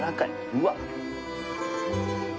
うわっ！